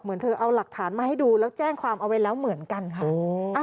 เธอเอาหลักฐานมาให้ดูแล้วแจ้งความเอาไว้แล้วเหมือนกันค่ะ